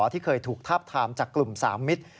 ที่เคยถูกทาบทามจากกลุ่ม๓มิตร